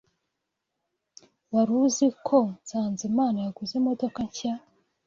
Wari uzi ko Sanzimana yaguze imodoka nshya?